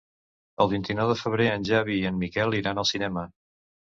El vint-i-nou de febrer en Xavi i en Miquel iran al cinema.